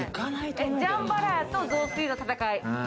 ジャンバラヤと雑炊の戦い。